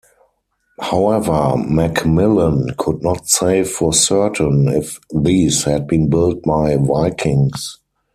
However MacMillan could not say for certain if these had been built by Vikings.